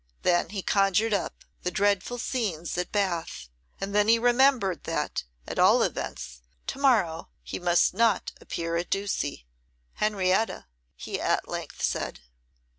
Then he conjured up the dreadful scenes at Bath, and then he remembered that, at all events, tomorrow he must not appear at Ducie. 'Henrietta!' he at length said.